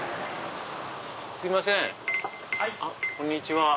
すいませんこんにちは。